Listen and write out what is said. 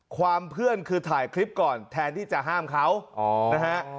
เพื่อนคือถ่ายคลิปก่อนแทนที่จะห้ามเขานะฮะ